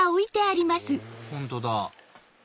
本当だ